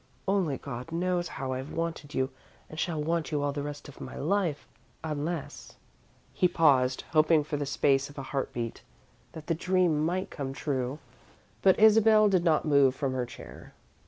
Only God knows how I've wanted you and shall want you all the rest of my life, unless " He paused, hoping, for the space of a heartbeat, that the dream might come true. But Isabel did not move from her chair.